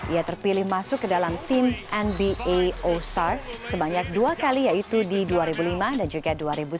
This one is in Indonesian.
ia terpilih masuk ke dalam tim nba all star sebanyak dua kali yaitu di dua ribu lima dan juga dua ribu sembilan